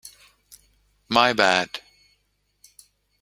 My bad!